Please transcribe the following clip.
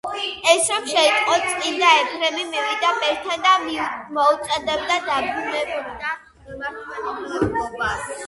ეს რომ შეიტყო, წმინდა ეფრემი მივიდა ბერთან და მოუწოდებდა, დაბრუნებოდა მართლმადიდებლობას.